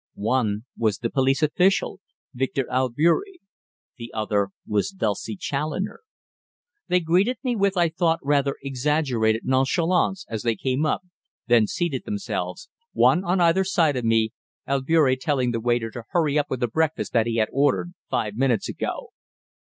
One was the police official, Victor Albeury. The other was Dulcie Challoner! They greeted me with, I thought, rather exaggerated nonchalance as they came up, then seated themselves, one on either side of me, Albeury telling the waiter to "hurry up with the breakfast that he had ordered five minutes ago."